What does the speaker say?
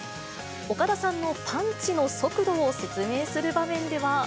岡田さんのパンチの速度を説明する場面では。